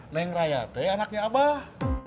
neng rayate anaknya abah